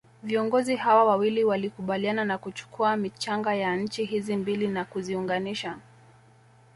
viongozi hawa wawili walikubaliana na kuchukua michanga ya nchi hizi mbili na kuziunganisha